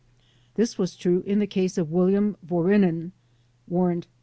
This was true in the case of William Vorinin (Warrant No.